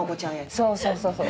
そうそうそうそう。